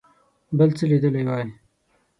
بل څه لیدلي وای.